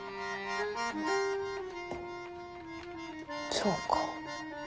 そうか。